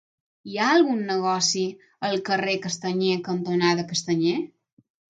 Hi ha algun negoci al carrer Castanyer cantonada Castanyer?